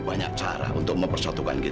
saya saidahkan dakika dengan tidak mau terkesan